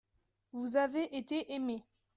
Vous avez été aimés.